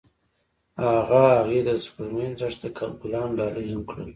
هغه هغې ته د سپوږمیز دښته ګلان ډالۍ هم کړل.